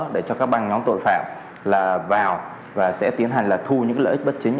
để cho các băng nhóm tội phạm vào và sẽ tiến hành là thu những lợi ích bất chính